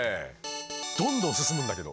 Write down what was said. どんどん進むんだけど。